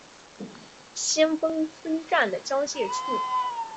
先锋村站的交界处。